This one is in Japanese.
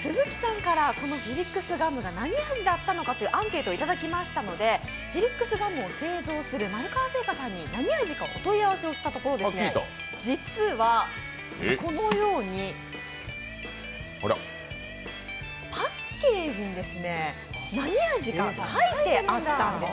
鈴木さんから、このフィリックスガムが何味だったんだろうというアンケートをいただきましたので、フィリックスガムを製造する丸川製菓さんに何味か問い合わせをしたところ実はこのようにパッケージに何味か書いてあったんですね。